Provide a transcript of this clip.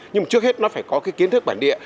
nhưng trước hết nó phải có cái kiến thức bản địa